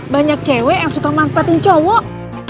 banyak cewek yang suka manfaatin cowok